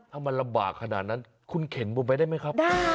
ถ้ามันลำบากขนาดนั้นคุณเข็นผมไปได้ไหมครับ